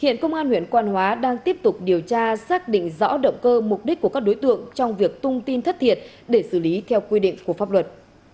hiện công an huyện quan hóa đang tiếp tục điều tra xác định rõ động cơ mục đích của các đối tượng trong việc tung tin thất thiệt để xử lý theo quy định của pháp luật